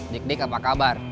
dik dik apa kabar